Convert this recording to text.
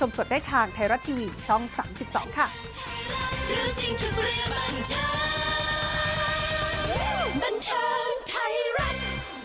บันเทิงไทยรัฐ